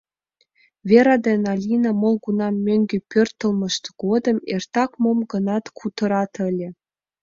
Вера ден Алина молгунам мӧҥгӧ пӧртылмышт годым эртак мом-гынат кутырат ыле.